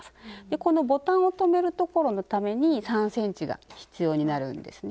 このボタンを留めるところのために３ｃｍが必要になるんですね。